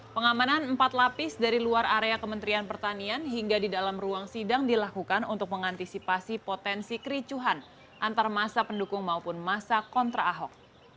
pengamanan empat lapis dari luar area kementerian pertanian hingga di dalam ruang sidang dilakukan untuk mengantisipasi potensi kericuhan antar masa pendukung maupun masa kontra ahok